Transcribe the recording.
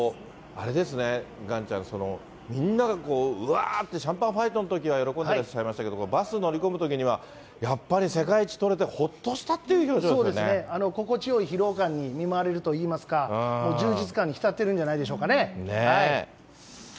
あれですね、岩ちゃん、みんながこう、うわーってシャンパンファイトのときは喜んでらっしゃいましたけれども、バスに乗り込むときには、やっぱり世界一取れて、ほっとしそうですね、心地よい疲労感に見舞われるといいますか、もう充実感に浸ってるんじゃないでし